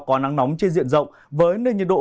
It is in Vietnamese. có nắng nóng trên diện rộng với nền nhiệt độ